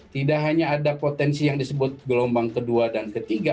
tidak hanya ada potensi yang disebut gelombang kedua dan ketiga